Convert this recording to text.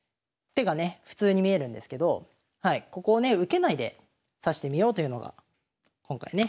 普通に見えるんですけどここをね受けないで指してみようというのが今回ね